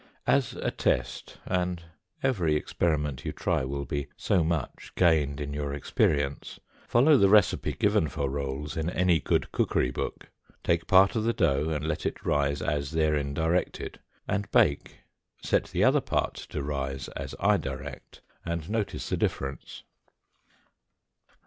As a test and every experiment you try will be so much gained in your experience follow the recipe given for rolls in any good cookery book, take part of the dough and let it rise as therein directed, and bake, set the other part to rise as I direct, and notice the difference.